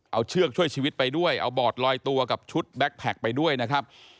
เอาเชือกช่วยชีวิตไปด้วยเอาบอร์ดลอยตัวกับชุดแบ็คแพคไปด้วยนะครับ